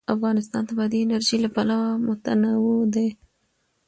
افغانستان د بادي انرژي له پلوه متنوع دی.